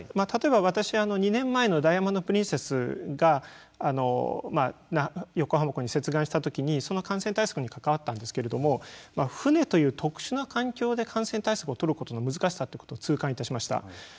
例えば私は２年前のダイヤモンド・プリンセスが横浜港に接岸したときにその感染対策に関わったんですけど船という特殊な環境で感染対策をとることの難しさということを痛感いたしました。